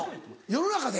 世の中で？